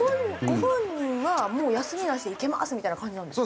ご本人はもう休みなしでいけますみたいな感じなんですか？